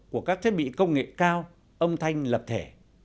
của các thiết bị công nghệ cao âm thanh lập thể